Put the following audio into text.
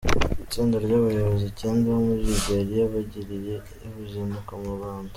Itsinda ry’abayobozi Icyenda bo muri Liberiya bagiriye uruzinduko mu Rwanda